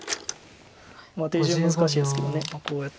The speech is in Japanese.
手順難しいですけどこうやって。